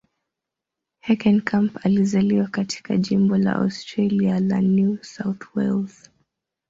Heckenkamp alizaliwa katika jimbo la Australia la New South Wales.